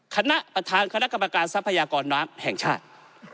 คณะประธานคณะกรรมการทรัพยากรน้ำแห่งชาติ